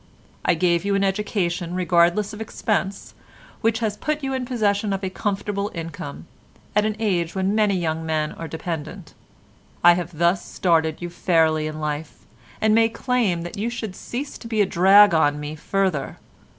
I gave you an education regardless of expense, which has put you in possession of a comfortable income, at an age when many young men are dependent. I have thus started you fairly in life, and may claim that you should cease to be a drag upon me further.